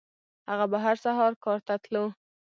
هغه به هر سهار کار ته تلو.